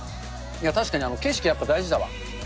いや、確かに景色、やっぱ大事だわ。